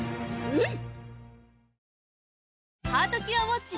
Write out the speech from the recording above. うん！